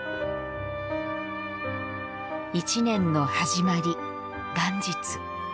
一年の始まり、元日。